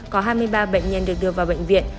có hai mươi ba bệnh nhân được đưa vào bệnh viện